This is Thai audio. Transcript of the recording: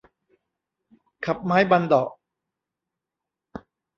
ขับไม้บัณเฑาะว์